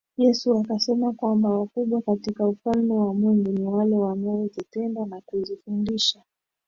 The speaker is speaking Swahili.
Yesu akasema kwamba wakubwa katika ufalme wa Mungu ni wale wanaozitenda na kuzifundisha